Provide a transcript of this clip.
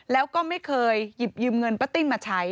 แล้วก็ไม่เคยหยิบยืมเงินป้าติ้นมาใช้